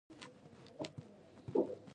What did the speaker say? د مځکې ځینې برخې د دوامداره وچکالۍ سره مخ دي.